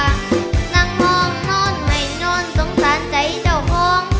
นั่งมองนอนไม่นอนสงสารใจเจ้าของ